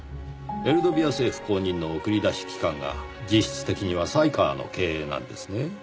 エルドビア政府公認の送り出し機関が実質的には犀川の経営なんですね。